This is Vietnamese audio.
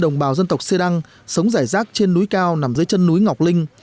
đồng bào dân tộc xê đăng sống rải rác trên núi cao nằm dưới chân núi ngọc linh